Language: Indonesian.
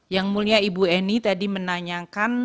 yang mulia ibu eni tadi menanyakan